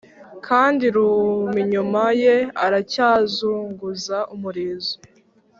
kandi rum inyuma ye aracyazunguza umurizo.